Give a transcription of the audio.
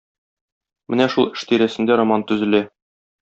Менә шул эш тирәсенә роман төзелә.